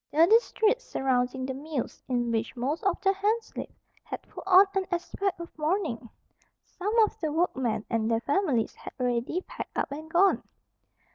The district surrounding the mills, in which most of the hands lived, had put on an aspect of mourning. Some of the workmen and their families had already packed up and gone.